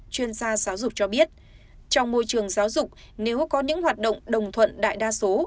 chuyên gia giáo dục cho biết trong môi trường giáo dục nếu có những hoạt động đồng thuận đại đa số